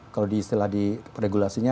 kalau diistilah di regulasinya